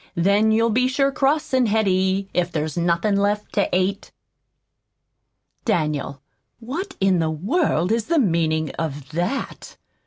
Then you'll sure be cross an' heady, If there's nothin' left to ate." "Daniel, what in the world is the meaning of that?"